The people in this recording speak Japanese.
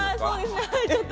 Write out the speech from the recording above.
ちょっと。